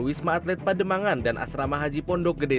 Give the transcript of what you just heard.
wisma atlet pademangan dan asrama haji pondok gede